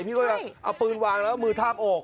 พี่ก็ยังเอาปืนวางแล้วมือทาบอก